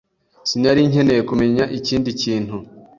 Sinari nkeneye kumenya ikindi kintu.